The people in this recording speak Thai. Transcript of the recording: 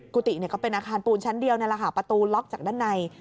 กุติก็เป็นอาคารปูนชั้นเดียวประตูล็อกจากด้านใน